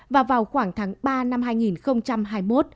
và vào khoảng tháng ba năm hai nghìn hai mươi một